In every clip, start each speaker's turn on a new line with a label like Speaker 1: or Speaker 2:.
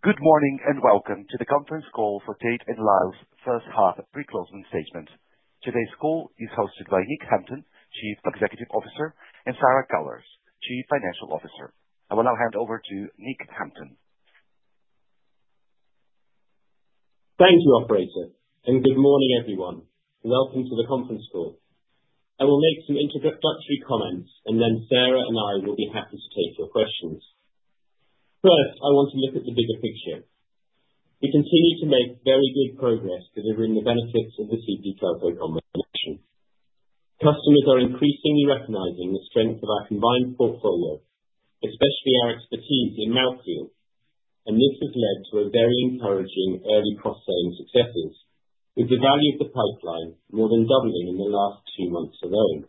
Speaker 1: Good morning and welcome to the conference call for Tate & Lyle's first half of pre-closing statement. Today's call is hosted by Nick Hampton, Chief Executive Officer, and Sarah Kuijlaars, Chief Financial Officer. I will now hand over to Nick Hampton.
Speaker 2: Thank you, Operator, and good morning, everyone. Welcome to the conference call. I will make some introductory comments, and then Sarah and I will be happy to take your questions. First, I want to look at the bigger picture. We continue to make very good progress delivering the benefits of the CP Kelco combination. Customers are increasingly recognizing the strength of our combined portfolio, especially our expertise in mouthfeel, and this has led to very encouraging early cross-selling successes, with the value of the pipeline more than doubling in the last two months alone.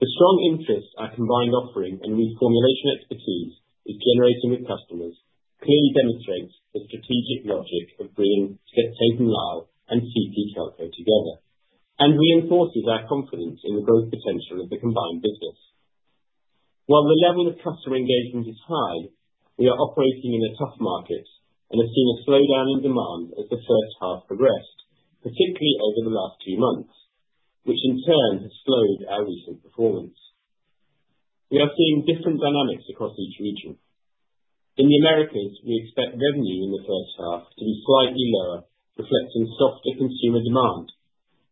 Speaker 2: The strong interest our combined offering and reformulation expertise is generating with customers clearly demonstrates the strategic logic of bringing Tate & Lyle and CP Kelco together and reinforces our confidence in the growth potential of the combined business. While the level of customer engagement is high, we are operating in a tough market and have seen a slowdown in demand as the first half progressed, particularly over the last two months, which in turn has slowed our recent performance. We are seeing different dynamics across each region. In the Americas, we expect revenue in the first half to be slightly lower, reflecting softer consumer demand,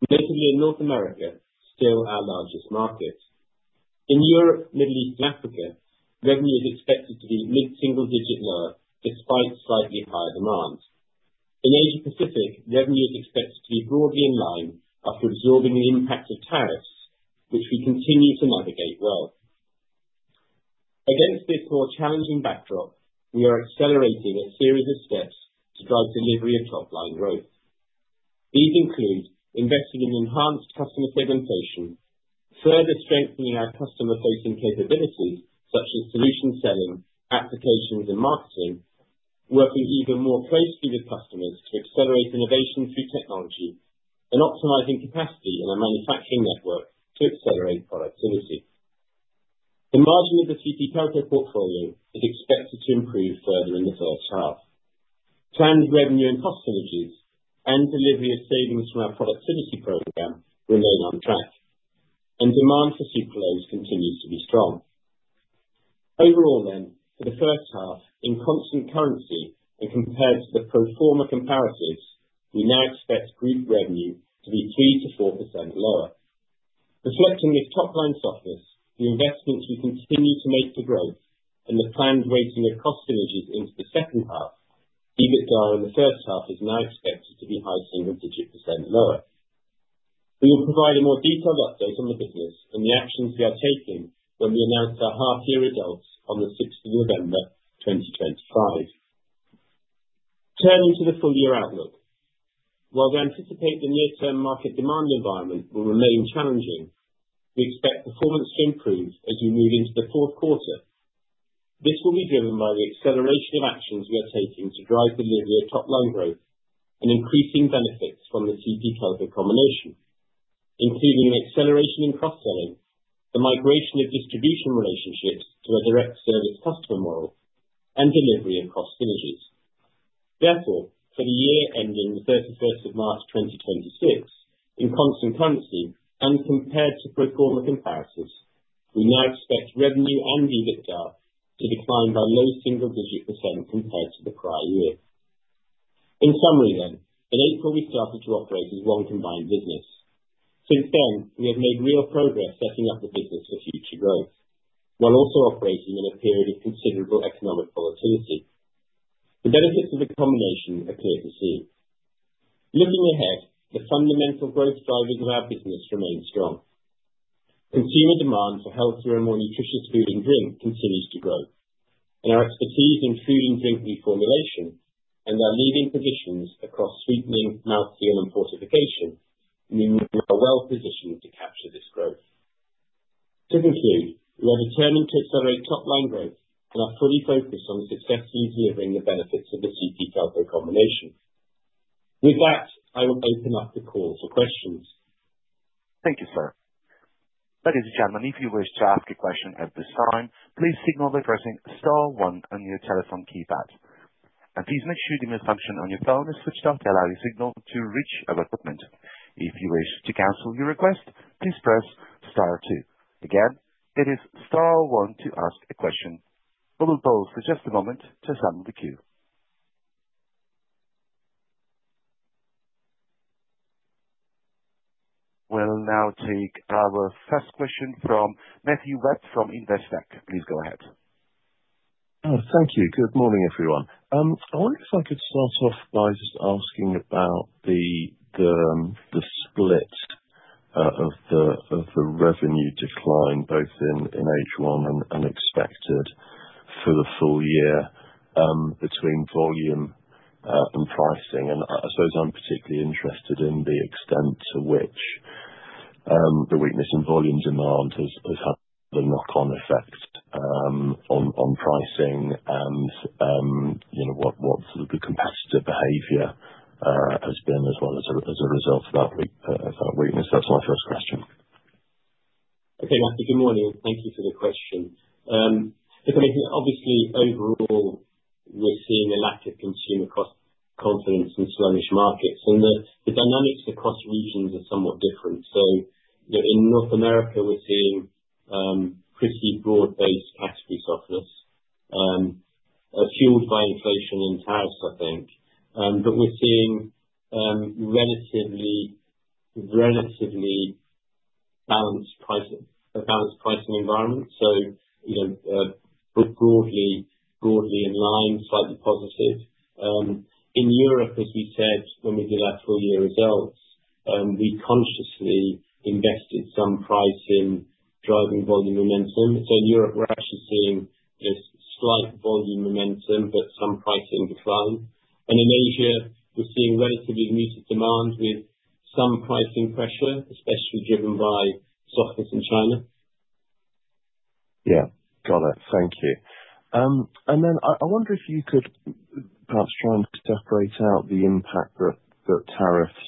Speaker 2: notably in North America, still our largest market. In Europe, Middle East, and Africa, revenue is expected to be mid-single digit lower despite slightly higher demand. In Asia Pacific, revenue is expected to be broadly in line after absorbing the impact of tariffs, which we continue to navigate well. Against this more challenging backdrop, we are accelerating a series of steps to drive delivery of top-line growth. These include investing in enhanced customer segmentation, further strengthening our customer-facing capabilities such as solution selling, applications, and marketing, working even more closely with customers to accelerate innovation through technology, and optimizing capacity in our manufacturing network to accelerate productivity. The margin of the CP Kelco portfolio is expected to improve further in the first half. Planned revenue and cost synergies and delivery of savings from our productivity program remain on track, and demand for sucralose continues to be strong. Overall, then, for the first half, in constant currency and compared to the pro forma comparatives, we now expect group revenue to be 3%-4% lower. Reflecting this top-line softness, the investments we continue to make to growth and the planned weighting of cost synergies into the second half, EBITDA in the first half is now expected to be high single-digit percent lower. We will provide a more detailed update on the business and the actions we are taking when we announce our half-year results on the 6th November 2025. Turning to the full-year outlook, while we anticipate the near-term market demand environment will remain challenging, we expect performance to improve as we move into the fourth quarter. This will be driven by the acceleration of actions we are taking to drive delivery of top-line growth and increasing benefits from the CP Kelco combination, including an acceleration in cross-selling, the migration of distribution relationships to a direct service customer model, and delivery of cost synergies. Therefore, for the year ending the 31st of March 2026, in constant currency and compared to pro forma comparatives, we now expect revenue and EBITDA to decline by low single-digit percent compared to the prior year. In summary, then, in April we started to operate as one combined business. Since then, we have made real progress setting up the business for future growth, while also operating in a period of considerable economic volatility. The benefits of the combination are clear to see. Looking ahead, the fundamental growth drivers of our business remain strong. Consumer demand for healthier and more nutritious food and drink continues to grow, and our expertise in food and drink reformulation and our leading positions across sweetening, mouthfeel, and fortification mean we are well positioned to capture this growth. To conclude, we are determined to accelerate top-line growth and are fully focused on the successes we are bringing the benefits of the CP Kelco combination. With that, I will open up the call for questions.
Speaker 1: Thank you, sir. Ladies and gentlemen, if you wish to ask a question at this time, please signal by pressing star one on your telephone keypad, and please make sure the main function on your phone is switched off to allow your signal to reach our equipment. If you wish to cancel your request, please press star two Again, it is star one to ask a question. We will pause for just a moment to assemble the queue. We'll now take our first question from Matthew Webb from Investec. Please go ahead.
Speaker 3: Thank you. Good morning, everyone. I wonder if I could start off by just asking about the split of the revenue decline, both in H1 and expected for the full year, between volume and pricing. And I suppose I'm particularly interested in the extent to which the weakness in volume demand has had a knock-on effect on pricing and what sort of competitor behavior has been as well as a result of that weakness. That's my first question.
Speaker 2: Okay, Matthew, good morning. Thank you for the question. If anything, obviously, overall, we're seeing a lack of consumer confidence in sluggish markets, and the dynamics across regions are somewhat different. So in North America, we're seeing pretty broad-based category softness, fueled by inflation and tariffs, I think. But we're seeing relatively balanced pricing environments, so broadly in line, slightly positive. In Europe, as we said when we did our full-year results, we consciously invested some pricing driving volume momentum. So in Europe, we're actually seeing slight volume momentum but some pricing decline. And in Asia, we're seeing relatively muted demand with some pricing pressure, especially driven by softness in China.
Speaker 3: Yeah, got it. Thank you. And then I wonder if you could perhaps try and separate out the impact that tariffs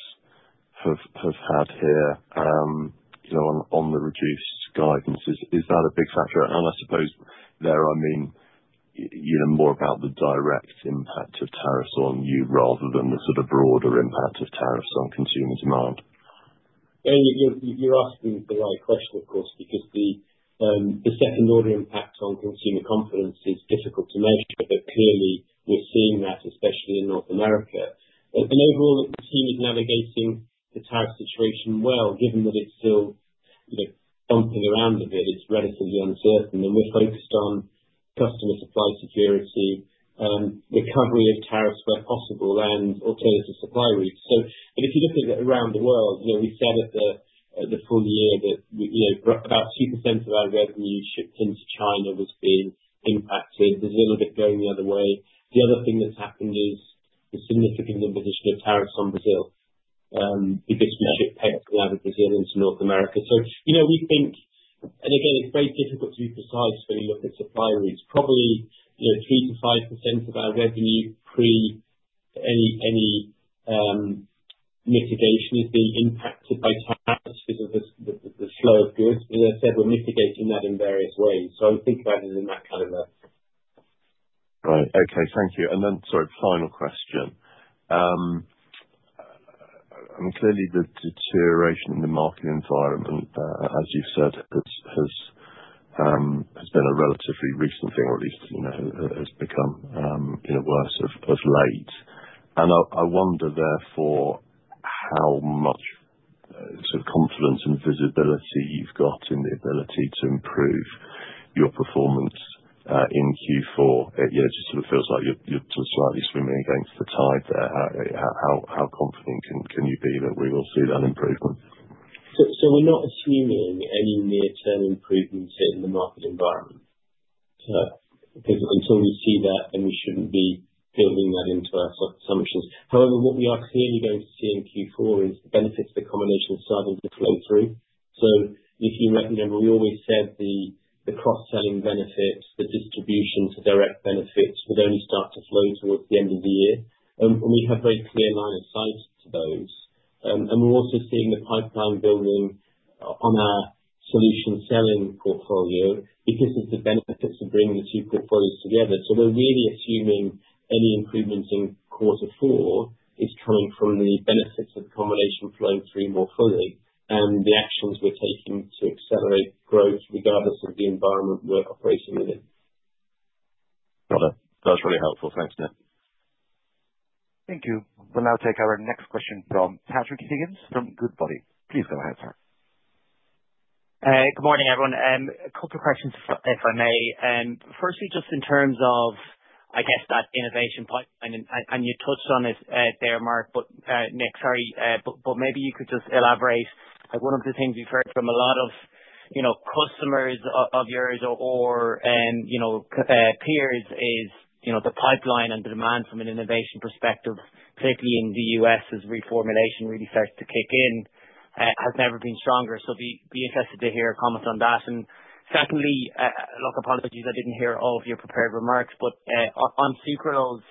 Speaker 3: have had here on the reduced guidance. Is that a big factor? And I suppose there, I mean, more about the direct impact of tariffs on you rather than the sort of broader impact of tariffs on consumer demand.
Speaker 2: You're asking the right question, of course, because the second-order impact on consumer confidence is difficult to measure, but clearly, we're seeing that, especially in North America, and overall, the team is navigating the tariff situation well, given that it's still bumping around a bit. It's relatively uncertain, and we're focused on customer supply security, recovery of tariffs where possible, and alternative supply routes, but if you look at it around the world, we said at the full year that about 2% of our revenue shipped into China was being impacted. Brazil a bit going the other way. The other thing that's happened is the significant imposition of tariffs on Brazil because we ship pectin out of Brazil into North America, so we think, and again, it's very difficult to be precise when you look at supply routes. Probably 3%-5% of our revenue pre any mitigation is being impacted by tariffs because of the flow of goods. As I said, we're mitigating that in various ways. So I think about it in that kind of a.
Speaker 3: Right. Okay. Thank you. And then, sorry, final question. I mean, clearly, the deterioration in the market environment, as you've said, has been a relatively recent thing, or at least has become worse of late. And I wonder, therefore, how much sort of confidence and visibility you've got in the ability to improve your performance in Q4. It just sort of feels like you're sort of slightly swimming against the tide there. How confident can you be that we will see that improvement?
Speaker 2: So we're not assuming any near-term improvements in the market environment because until we see that, then we shouldn't be building that into our assumptions. However, what we are clearly going to see in Q4 is the benefits of the combination starting to flow through. So if you remember, we always said the cross-selling benefits, the distribution to direct benefits would only start to flow towards the end of the year. And we have very clear line of sight to those. And we're also seeing the pipeline building on our solution selling portfolio because of the benefits of bringing the two portfolios together. So we're really assuming any improvements in quarter four is coming from the benefits of the combination flowing through more fully and the actions we're taking to accelerate growth regardless of the environment we're operating within.
Speaker 3: Got it. That's really helpful. Thanks, Nick.
Speaker 1: Thank you. We'll now take our next question from Patrick Higgins from Goodbody. Please go ahead, sir.
Speaker 4: Good morning, everyone. A couple of questions, if I may. Firstly, just in terms of, I guess, that innovation pipeline, and you touched on it there, Mark, Nick, sorry, but maybe you could just elaborate. One of the things we've heard from a lot of customers of yours or peers is the pipeline and the demand from an innovation perspective, particularly in the U.S., as reformulation really starts to kick in, has never been stronger. So I'd be interested to hear a comment on that. And secondly, look, apologies, I didn't hear all of your prepared remarks, but on sucralose,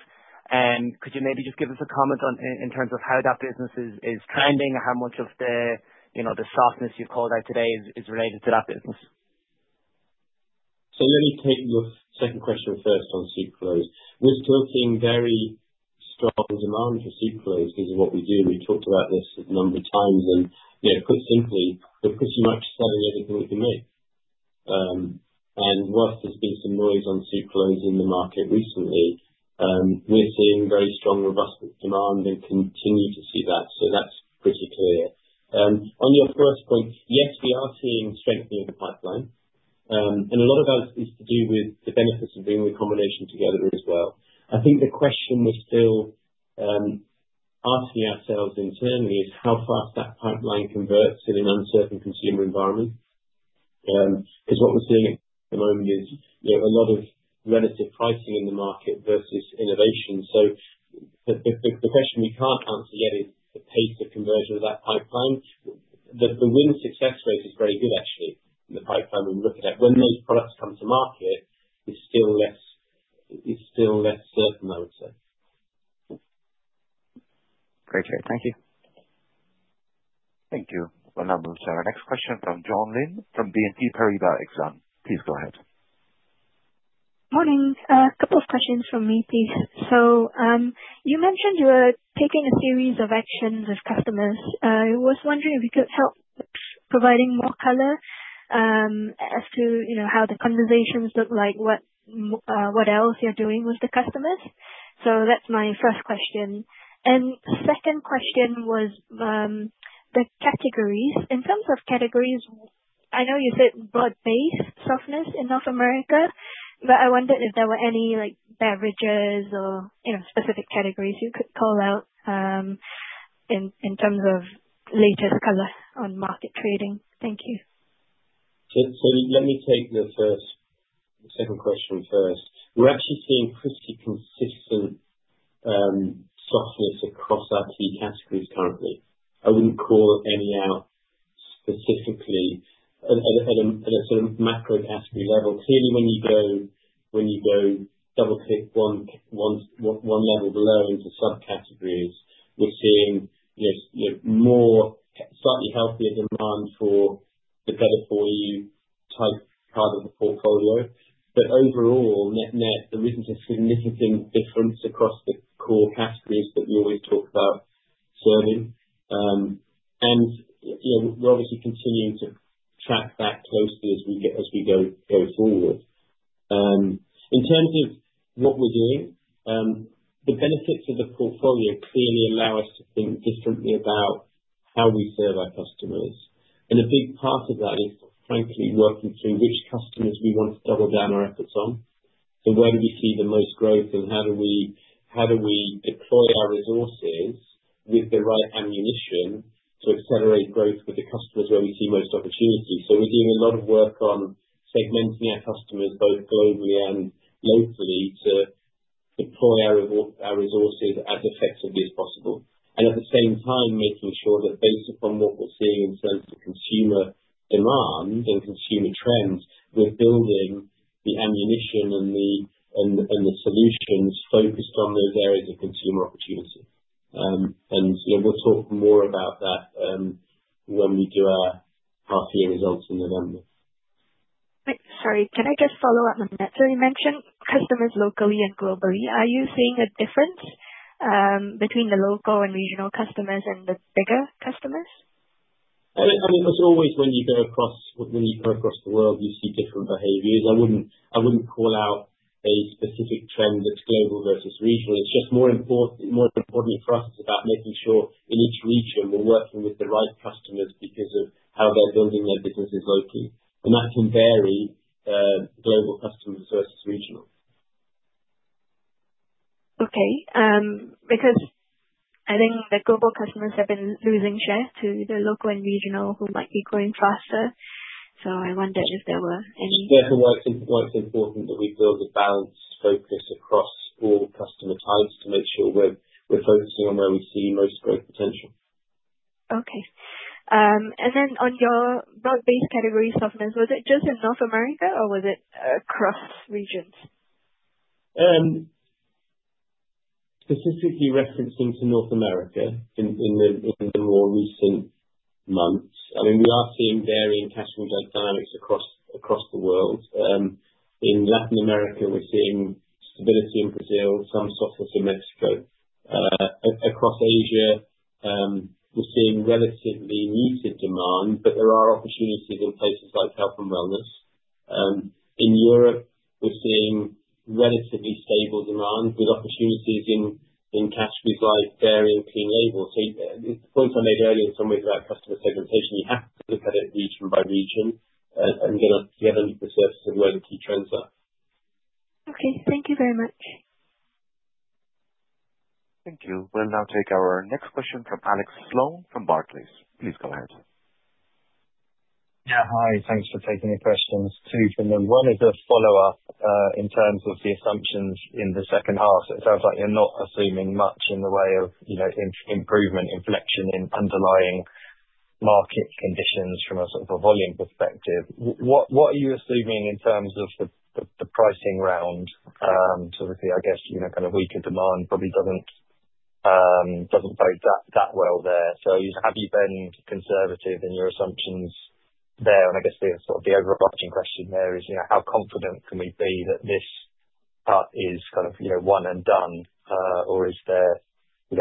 Speaker 4: could you maybe just give us a comment in terms of how that business is trending, how much of the softness you've called out today is related to that business?
Speaker 2: So let me take your second question first on sucralose. We're still seeing very strong demand for sucralose because of what we do. We've talked about this a number of times. And put simply, we're pretty much selling everything we can make. And while there's been some noise on sucralose in the market recently, we're seeing very strong, robust demand and continue to see that. So that's pretty clear. On your first point, yes, we are seeing strengthening of the pipeline. And a lot of that is to do with the benefits of bringing the combination together as well. I think the question we're still asking ourselves internally is how fast that pipeline converts in an uncertain consumer environment. Because what we're seeing at the moment is a lot of relative pricing in the market versus innovation. So the question we can't answer yet is the pace of conversion of that pipeline. The win success rate is very good, actually, in the pipeline when we look at it. When those products come to market, it's still less certain, I would say.
Speaker 1: Great. Thank you. Thank you. We'll now move to our next question from John Lynn from BNP Paribas. Please go ahead. Morning. A couple of questions from me, please. So you mentioned you were taking a series of actions with customers. I was wondering if you could help providing more color as to how the conversations look like, what else you're doing with the customers. So that's my first question. And second question was the categories. In terms of categories, I know you said broad-based softness in North America, but I wondered if there were any beverages or specific categories you could call out in terms of latest color on market trading. Thank you.
Speaker 2: So let me take the second question first. We're actually seeing pretty consistent softness across our key categories currently. I wouldn't call any out specifically at a sort of macro category level. Clearly, when you go double-click one level below into subcategories, we're seeing more slightly healthier demand for the better-for-you type part of the portfolio. But overall, there isn't a significant difference across the core categories that we always talk about serving. And we're obviously continuing to track that closely as we go forward. In terms of what we're doing, the benefits of the portfolio clearly allow us to think differently about how we serve our customers. And a big part of that is, frankly, working through which customers we want to double down our efforts on. So where do we see the most growth, and how do we deploy our resources with the right ammunition to accelerate growth with the customers where we see most opportunity? So we're doing a lot of work on segmenting our customers both globally and locally to deploy our resources as effectively as possible. And at the same time, making sure that based upon what we're seeing in terms of consumer demand and consumer trends, we're building the ammunition and the solutions focused on those areas of consumer opportunity. And we'll talk more about that when we do our half-year results in November. Sorry, can I just follow up on that? So you mentioned customers locally and globally. Are you seeing a difference between the local and regional customers and the bigger customers? I mean, it's always when you go across the world, you see different behaviors. I wouldn't call out a specific trend that's global versus regional. It's just more important for us. It's about making sure in each region we're working with the right customers because of how they're building their businesses locally, and that can vary global customers versus regional. Okay. Because I think the global customers have been losing share to the local and regional who might be growing faster. So I wondered if there were any. That's why it's important that we build a balanced focus across all customer types to make sure we're focusing on where we see most growth potential. Okay. And then on your broad-based category softness, was it just in North America, or was it across regions? Specifically referring to North America in the more recent months, I mean, we are seeing varying category dynamics across the world. In Latin America, we're seeing stability in Brazil, some softness in Mexico. Across Asia, we're seeing relatively muted demand, but there are opportunities in places like health and wellness. In Europe, we're seeing relatively stable demand with opportunities in categories like clean label. The points I made earlier in some ways about customer segmentation, you have to look at it region by region and get under the surface of where the key trends are. Okay. Thank you very much.
Speaker 1: Thank you. We'll now take our next question from Alex Sloane from Barclays. Please go ahead.
Speaker 5: Yeah. Hi. Thanks for taking the questions. Two for me. One is a follow-up in terms of the assumptions in the second half. It sounds like you're not assuming much in the way of improvement, inflection in underlying market conditions from a sort of a volume perspective. What are you assuming in terms of the pricing round? So I guess kind of weaker demand probably doesn't bode that well there. So have you been conservative in your assumptions there? And I guess the overarching question there is, how confident can we be that this part is kind of one and done, or is there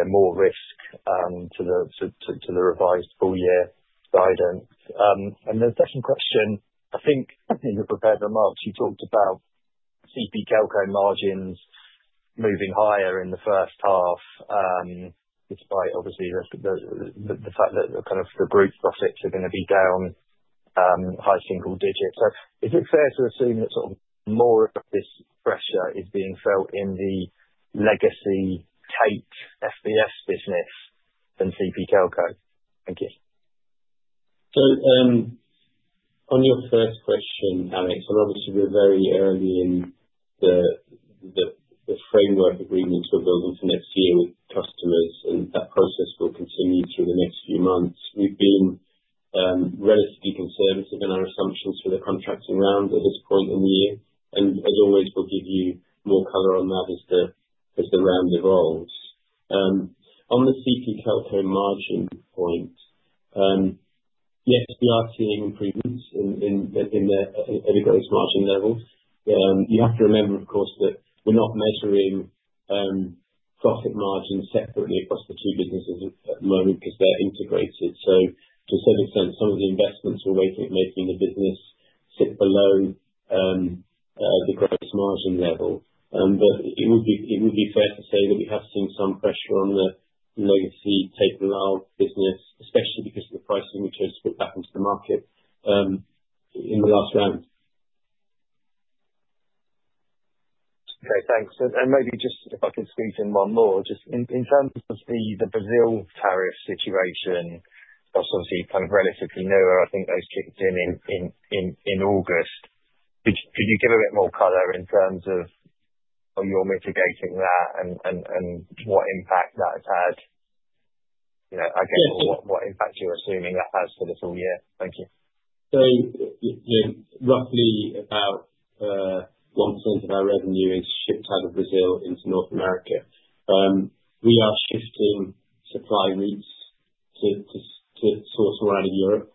Speaker 5: more risk to the revised full-year guidance? And the second question, I think in your prepared remarks, you talked about CP Kelco margins moving higher in the first half despite, obviously, the fact that kind of the group profits are going to be down high single digits. So is it fair to assume that sort of more of this pressure is being felt in the legacy Tate FBS business than CP Kelco? Thank you.
Speaker 2: So on your first question, Alex, and obviously, we're very early in the framework agreements we're building for next year with customers, and that process will continue through the next few months. We've been relatively conservative in our assumptions for the contracting round at this point in the year. And as always, we'll give you more color on that as the round evolves. On the CP Kelco margin point, yes, we are seeing improvements in the gross margin level. You have to remember, of course, that we're not measuring profit margin separately across the two businesses at the moment because they're integrated. So to a certain extent, some of the investments we're making in the business sit below the gross margin level. But it would be fair to say that we have seen some pressure on the legacy Tate & Lyle business, especially because of the pricing we chose to put back into the market in the last round.
Speaker 5: Okay. Thanks. And maybe just if I could squeeze in one more. Just in terms of the Brazil tariff situation, that's obviously kind of relatively newer. I think those kicked in in August. Could you give a bit more color in terms of how you're mitigating that and what impact that has had? Again, what impact you're assuming that has for this whole year? Thank you.
Speaker 2: So roughly about 1% of our revenue is shipped out of Brazil into North America. We are shifting supply routes to source more out of Europe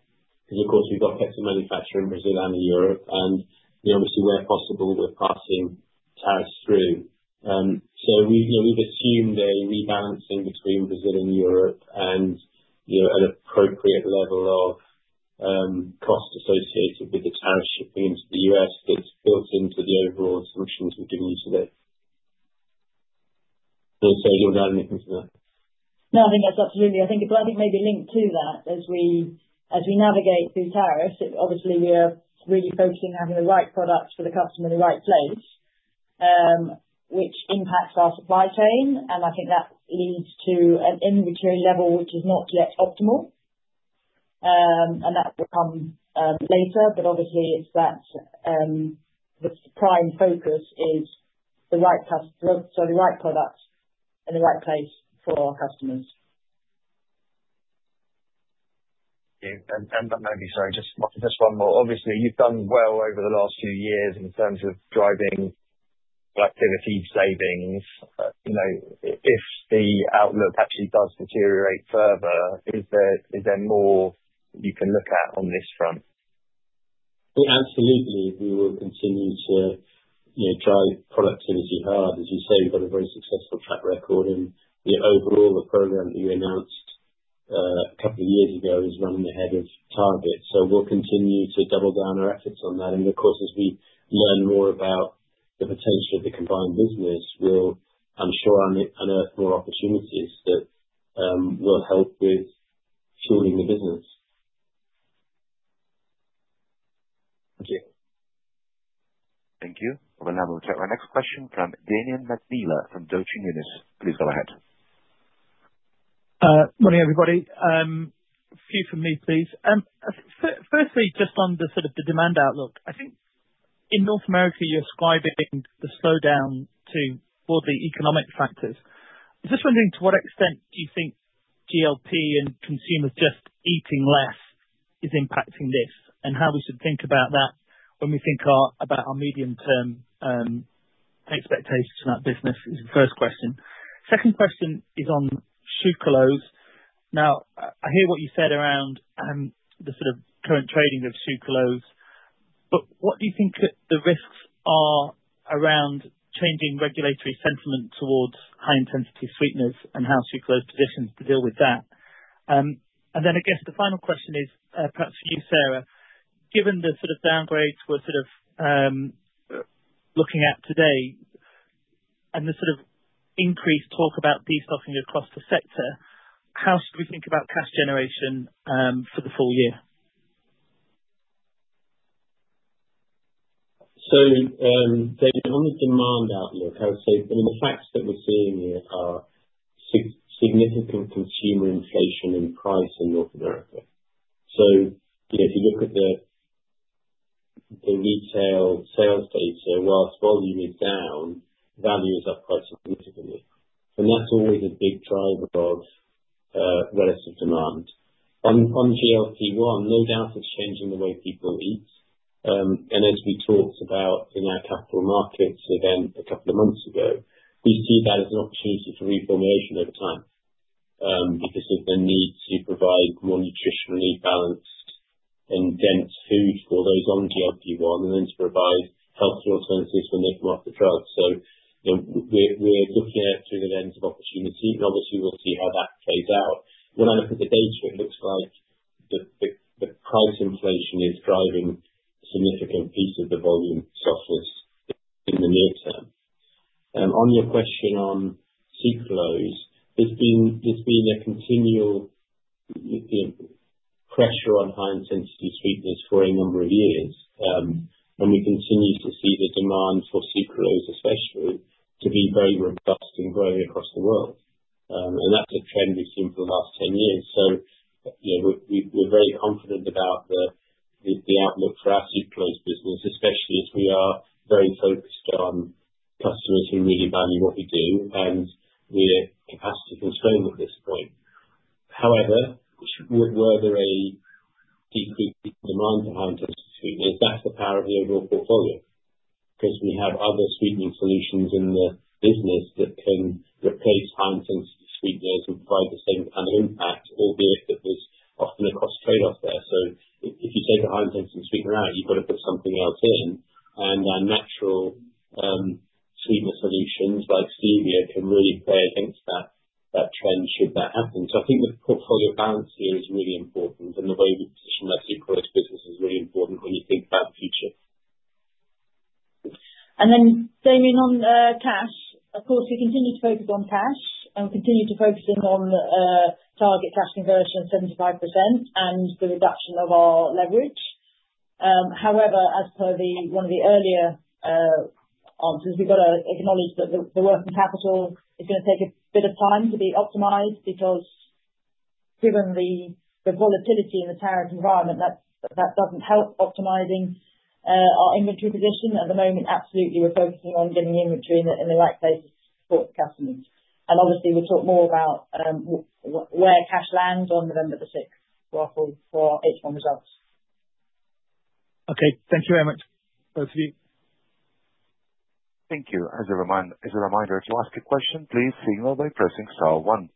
Speaker 2: because, of course, we've got pectin and manufacturing in Brazil and in Europe. And obviously, where possible, we're passing tariffs through. So we've assumed a rebalancing between Brazil and Europe and an appropriate level of cost associated with the tariff shipping into the U.S. that's built into the overall assumptions we've given you today. Sarah do you want to add anything to that?
Speaker 6: No, I think that's absolutely, maybe linked to that as we navigate through tariffs. Obviously, we are really focusing on having the right products for the customer in the right place, which impacts our supply chain, and I think that leads to an inventory level which is not yet optimal, and that will come later, but obviously, the prime focus is the right products in the right place for our customers.
Speaker 5: Thank you. And maybe, sorry, just one more. Obviously, you've done well over the last few years in terms of driving productivity savings. If the outlook actually does deteriorate further, is there more you can look at on this front?
Speaker 2: Absolutely. We will continue to drive productivity hard. As you say, we've got a very successful track record and overall, the program that you announced a couple of years ago is running ahead of target, so we'll continue to double down our efforts on that and of course, as we learn more about the potential of the combined business, we'll, I'm sure, unearth more opportunities that will help with fueling the business.
Speaker 5: Thank you.
Speaker 1: Thank you. We'll now move to our next question from Damian McNeela from Deutsche Numis. Please go ahead.
Speaker 7: Morning, everybody. A few from me, please. Firstly, just on the sort of demand outlook, I think in North America, you're ascribing the slowdown to broadly economic factors. I'm just wondering to what extent do you think GLP and consumers just eating less is impacting this and how we should think about that when we think about our medium-term expectations in that business is the first question. Second question is on sucralose. Now, I hear what you said around the sort of current trading of sucralose, but what do you think the risks are around changing regulatory sentiment towards high-intensity sweeteners and how sucralose positions to deal with that? And then I guess the final question is perhaps for you, Sarah. Given the sort of downgrades we're sort of looking at today and the sort of increased talk about de-stocking across the sector, how should we think about cash generation for the full year?
Speaker 2: So on the demand outlook, I would say, I mean, the facts that we're seeing here are significant consumer inflation in price in North America. So if you look at the retail sales data, while volume is down, value is up quite significantly. And that's always a big driver of relative demand. On GLP-1, no doubt it's changing the way people eat. And as we talked about in our capital markets event a couple of months ago, we see that as an opportunity for reformulation over time because there's been a need to provide more nutritionally balanced and dense food for those on GLP-1 and then to provide healthier alternatives when they come off the drug. So we're looking at it through the lens of opportunity. And obviously, we'll see how that plays out. When I look at the data, it looks like the price inflation is driving a significant piece of the volume softness in the near term. On your question on sucralose, there's been a continual pressure on high-intensity sweeteners for a number of years, and we continue to see the demand for sucralose, especially, to be very robust in growing across the world, and that's a trend we've seen for the last 10 years. So we're very confident about the outlook for our sucralose business, especially as we are very focused on customers who really value what we do, and we're capacity constrained at this point. However, whether a decrease in demand for high-intensity sweeteners, that's the power of the overall portfolio because we have other sweetening solutions in the business that can replace high-intensity sweeteners and provide the same kind of impact, albeit that there's often a cost trade-off there. So if you take a high-intensity sweetener out, you've got to put something else in. And our natural sweetener solutions like stevia can really play against that trend should that happen. So I think the portfolio balance here is really important, and the way we position our sucralose business is really important when you think about the future.
Speaker 6: And then, Damien, on cash. Of course, we continue to focus on cash and continue to focus in on target cash conversion of 75% and the reduction of our leverage. However, as per one of the earlier answers, we've got to acknowledge that the working capital is going to take a bit of time to be optimized because, given the volatility in the tariff environment, that doesn't help optimizing our inventory position. At the moment, absolutely, we're focusing on getting inventory in the right places to support the customers. And obviously, we'll talk more about where cash lands on November the 6th for H1 results.
Speaker 7: Okay. Thank you very much, both of you.
Speaker 1: Thank you. As a reminder, to ask a question, please signal by pressing star one.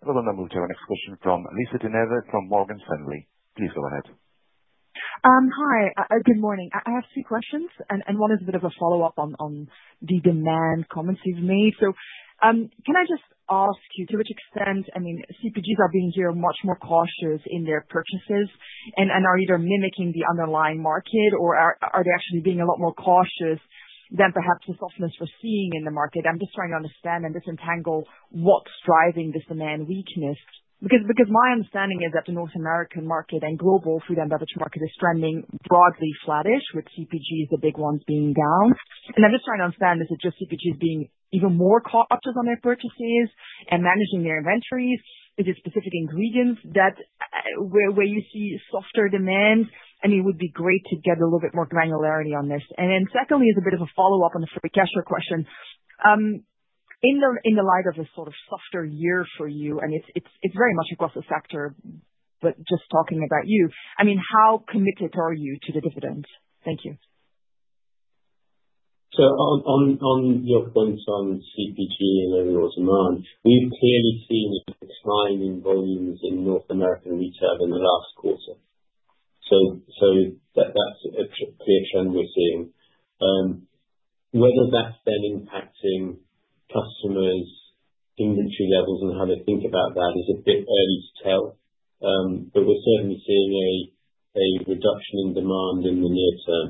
Speaker 1: And we'll now move to our next question from Lisa De Neve from Morgan Stanley. Please go ahead.
Speaker 8: Hi. Good morning. I have two questions, and one is a bit of a follow-up on the demand comments you've made. So can I just ask you to which extent, I mean, CPGs are being here much more cautious in their purchases and are either mimicking the underlying market, or are they actually being a lot more cautious than perhaps the softness we're seeing in the market? I'm just trying to understand and disentangle what's driving this demand weakness because my understanding is that the North American market and global food and beverage market is trending broadly flattish, with CPGs the big ones being down. And I'm just trying to understand, is it just CPGs being even more cautious on their purchases and managing their inventories? Is it specific ingredients where you see softer demand? I mean, it would be great to get a little bit more granularity on this. And then secondly, as a bit of a follow-up on the free cash flow question, in the light of a sort of softer year for you, and it's very much across the sector, but just talking about you, I mean, how committed are you to the dividends? Thank you.
Speaker 2: So on your points on CPG and overall demand, we've clearly seen a decline in volumes in North American retail in the last quarter. So that's a clear trend we're seeing. Whether that's then impacting customers' inventory levels and how they think about that is a bit early to tell. But we're certainly seeing a reduction in demand in the near term.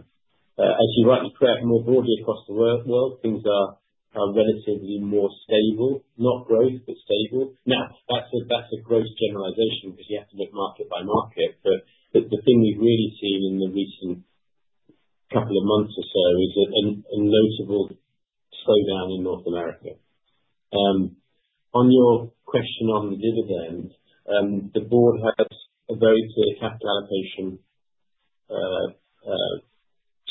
Speaker 2: As you're right, you're correct, more broadly across the world, things are relatively more stable. Not growth, but stable. Now, that's a gross generalization because you have to look market by market. But the thing we've really seen in the recent couple of months or so is a notable slowdown in North America. On your question on the dividend, the board has a very clear capital allocation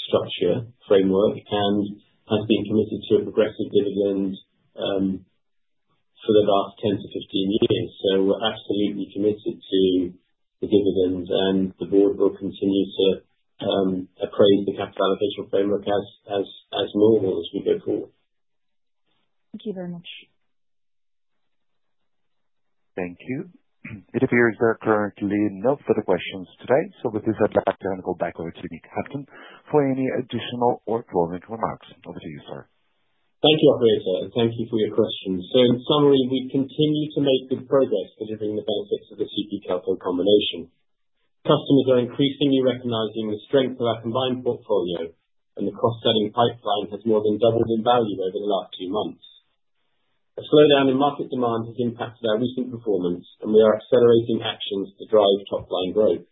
Speaker 2: structure framework and has been committed to a progressive dividend for the last 10 to 15 years. So we're absolutely committed to the dividend, and the board will continue to appraise the capital allocation framework as normal as we go forward.
Speaker 8: Thank you very much.
Speaker 1: Thank you. It appears there are currently no further questions today. So with this, I'd like to hand it back over to Nick Hampton for any additional or drawing remarks. Over to you, sir.
Speaker 2: Thank you, operator, and thank you for your questions. So in summary, we continue to make good progress delivering the benefits of the CP Kelco combination. Customers are increasingly recognizing the strength of our combined portfolio, and the cross-selling pipeline has more than doubled in value over the last few months. A slowdown in market demand has impacted our recent performance, and we are accelerating actions to drive top-line growth.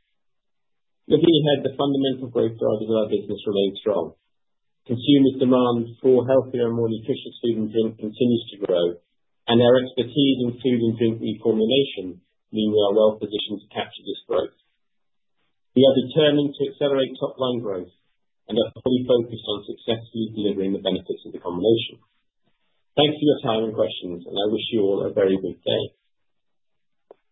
Speaker 2: Looking ahead, the fundamental growth drivers of our business remain strong. Consumers' demand for healthier and more nutritious food and drink continues to grow, and our expertise in food and drink reformulation means we are well positioned to capture this growth. We are determined to accelerate top-line growth and are fully focused on successfully delivering the benefits of the combination. Thanks for your time and questions, and I wish you all a very good day.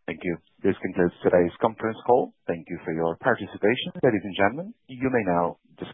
Speaker 1: Thank you. This concludes today's conference call. Thank you for your participation. Ladies and gentlemen, you may now disconnect.